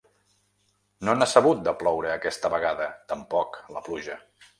No n’ha sabut, de ploure, aquesta vegada, tampoc, la pluja.